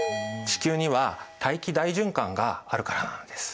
地球には大気大循環があるからなのです。